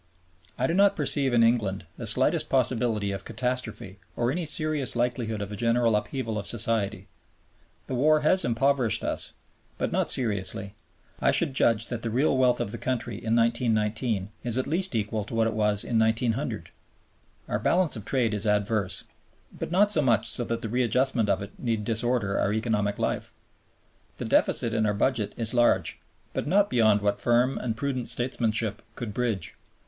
I do not perceive in England the slightest possibility of catastrophe or any serious likelihood of a general upheaval of society. The war has impoverished us, but not seriously; I should judge that the real wealth of the country in 1919 is at least equal to what it was in 1900. Our balance of trade is adverse, but not so much so that the readjustment of it need disorder our economic life. The deficit in our Budget is large, but not beyond what firm and prudent statesmanship could bridge.